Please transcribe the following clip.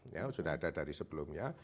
ya sudah ada dari sebelumnya